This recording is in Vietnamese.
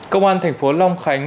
công an thành phố long khánh